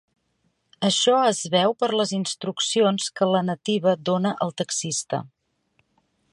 Això es veu per les instruccions que la nativa dóna al taxista.